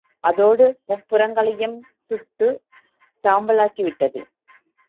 அதோடு முப்புரங்களையும் சுட்டுச் சாம்பலாக்கிவிட்டது.